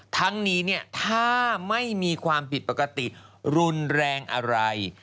ทั้งนี้ถ้าไม่มีความผิดปกติรุนแรงอะไร